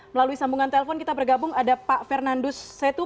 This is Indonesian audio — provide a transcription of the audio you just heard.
melalui sambungan telepon kita bergabung ada pak fernandus setu